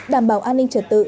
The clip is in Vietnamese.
đảm bảo an ninh trật tự